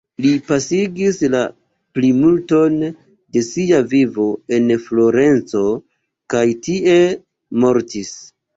Li pasigis la plimulton de sia vivo en Florenco, kaj tie mortis.